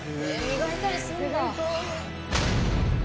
磨いたりすんだ。